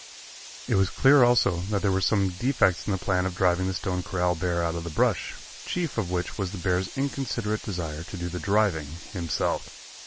It was clear also that there were some defects in the plan of driving the Stone Corral bear out of the brush, chief of which was the bear's inconsiderate desire to do the driving himself.